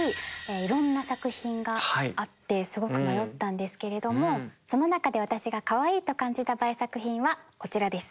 いろんな作品があってすごく迷ったんですけれどもその中で私が「かわいい」と感じたＢＡＥ作品はこちらです。